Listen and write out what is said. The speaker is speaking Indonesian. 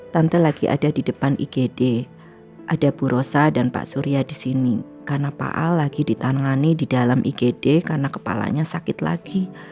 tante lagi ada di depan igd ada bu rosa dan pak surya di sini karena pak a lagi ditangani di dalam igd karena kepalanya sakit lagi